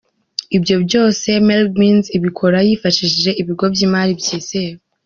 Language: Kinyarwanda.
Ibyo byose Mergims ibikora yifashishije ibigo by’imari byizewe.